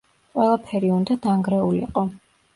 ყველაფერი უნდა დანგრეულიყო.